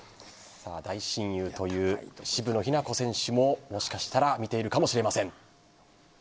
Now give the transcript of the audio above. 大親友という渋野日向子選手ももしかしたら見ているかもしれません。